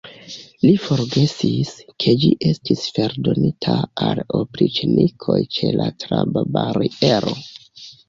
Li forgesis, ke ĝi estis fordonita al opriĉnikoj ĉe la trabbariero.